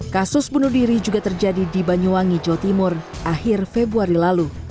kasus bunuh diri juga terjadi di banyuwangi jawa timur akhir februari lalu